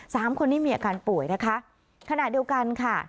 สามคนนี้มีอาการป่วยนะคะขณะเดียวกันค่ะ